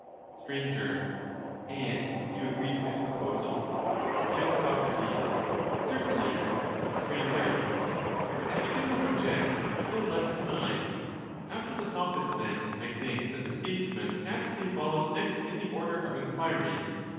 Str. And do you agree to his proposal ? Y. Soc. Certainly. Str. As you do not object, still less can I. After the Sophist, then, I think that the Statesman naturally follows next in the order of enquiry.